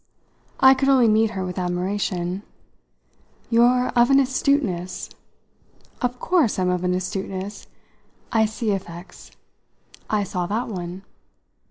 I could only meet her with admiration. "You're of an astuteness !" "Of course I'm of an astuteness! I see effects. And I saw that one.